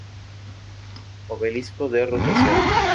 Obelisco de rotación.